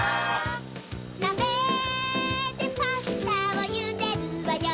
なべでパスタをゆでるわよ